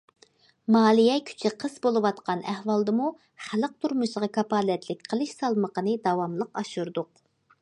مالىيە كۈچى قىس بولۇۋاتقان ئەھۋالدىمۇ خەلق تۇرمۇشىغا كاپالەتلىك قىلىش سالمىقىنى داۋاملىق ئاشۇردۇق.